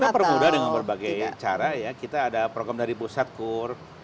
kita permudah dengan berbagai cara ya kita ada program dari pusat kur